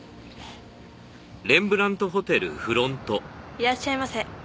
いらっしゃいませ。